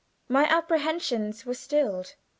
My apprehensions were stilled.